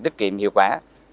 tiết kiệm hiệu quả